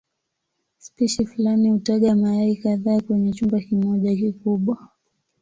Spishi fulani hutaga mayai kadhaa kwenye chumba kimoja kikubwa.